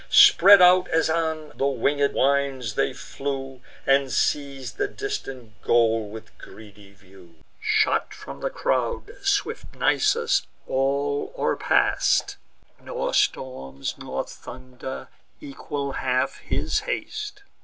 Spread out, as on the winged winds, they flew, And seiz'd the distant goal with greedy view. Shot from the crowd, swift Nisus all o'erpass'd; Nor storms, nor thunder, equal half his haste.